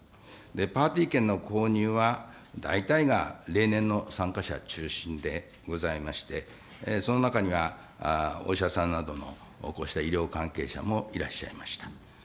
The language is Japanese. パーティー券の購入は、大体が例年の参加者中心でございまして、その中にはお医者さんなどの、こうした医療関係者もいらっしゃいました。